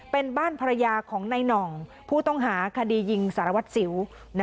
เป็นบ้านภรรยาของนายหน่องผู้ต้องหาคดียิงสารวัตรสิว